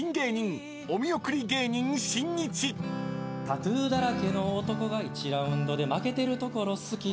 「タトゥーだらけの男が１ラウンドで負けてるところ好き」